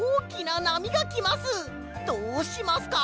どうしますか？